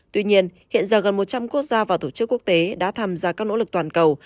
tuy nhiên hiện giờ gần một trăm linh quốc gia và tổ chức quốc tế đã tham gia các nỗ lực toàn cầu